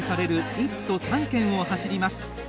１都３県を走ります。